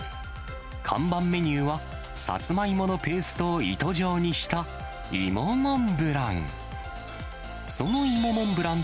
看板メニューはさつまいものペーストを糸状にした芋モンブラン。